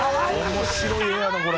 面白い絵やなこれ。）